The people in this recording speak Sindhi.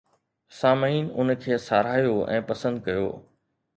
سامعين ان کي ساراهيو ۽ پسند ڪيو